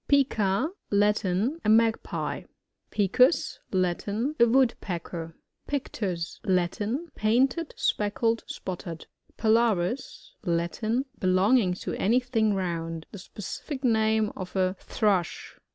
Pica. — Latin. A Magpie. Picus. — Latin. A Woodpecker. PfCTUi. — Latin. Painted, speckled, spotted. Pilaris. — Latin. Belonging to any thing round. The specific nam» of a Thrush.